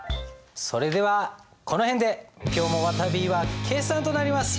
それではこの辺で今日もわたびは決算となります。